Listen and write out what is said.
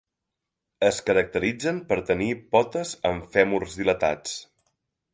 Es caracteritzen per tenir potes amb fèmurs dilatats.